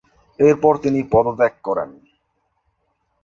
এরপর তিনি পদত্যাগ করেন।